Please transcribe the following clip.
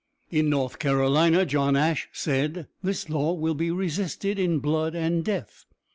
In North Carolina, John Ashe said: "This law will be resisted in blood and death."